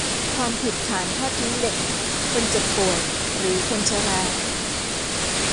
ความผิดฐานทอดทิ้งเด็ก คนป่วยเจ็บ หรือคนชรา